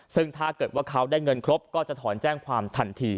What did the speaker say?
ซึ่งถ้าเกิดว่าเขาได้เงินครบก็จะถอนแจ้งความทันที